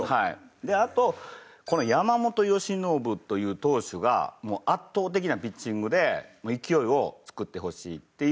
であとこの山本由伸という投手が圧倒的なピッチングで勢いを作ってほしいっていう。